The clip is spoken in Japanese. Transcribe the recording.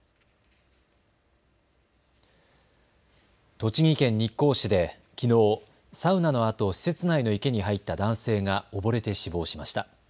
栃木県日光市できのうサウナのあと施設内の池に入った男性が溺れて死亡しました。